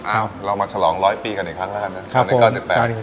อ่าเรามาฉลองร้อยปีกันอีกครั้งแล้วฮะนะ